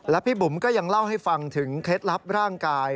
พี่บุ๋มก็ยังเล่าให้ฟังถึงเคล็ดลับร่างกาย